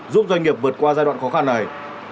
giúp doanh nghiệp vượt qua giai đoạn khó khăn này